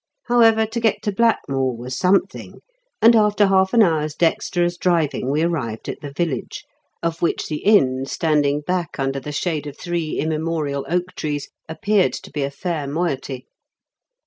However, to get to Blackmore was something, and after half an hour's dexterous driving we arrived at the village, of which the inn standing back under the shade of three immemorial oak trees appeared to be a fair moiety.